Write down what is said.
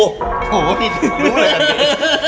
หูนี่หูเลยอ่ะ